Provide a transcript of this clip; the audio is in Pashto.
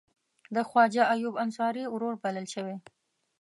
د خواجه ایوب انصاري ورور بلل شوی.